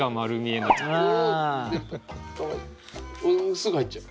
すぐ入っちゃう。